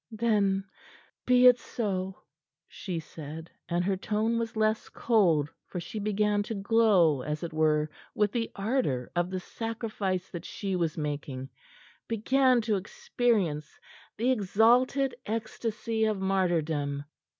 "Then be it so," she said, and her tone was less cold, for she began to glow, as it were, with the ardor of the sacrifice that she was making began to experience the exalted ecstasy of martyrdom.